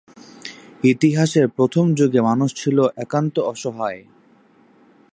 ইতিহাসের প্রথম যুগে মানুষ ছিল একান্ত অসহায়।